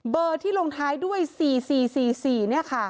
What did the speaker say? ที่ลงท้ายด้วย๔๔๔๔๔เนี่ยค่ะ